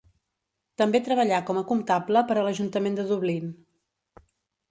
També treballà com a comptable per a l'ajuntament de Dublín.